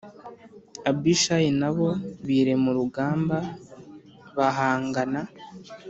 Abishayi na bo birema urugamba bahangana